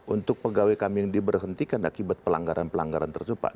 untuk pegawai kami yang diberhentikan akibat pelanggaran pelanggaran tersebut pak